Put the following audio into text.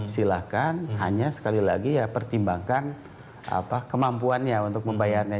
silahkan hanya sekali lagi ya pertimbangkan kemampuannya untuk membayarnya